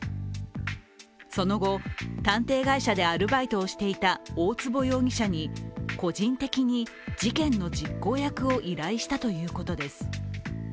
その後、探偵会社でアルバイトをしていた大坪容疑者に個人的に事件の実行役を依頼したということです。